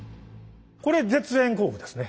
これ絶縁工具ですね。